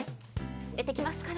出てきますか？